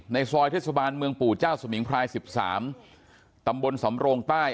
ซอยเทศบาลเมืองปู่เจ้าสมิงพราย๑๓ตำบลสำโรงใต้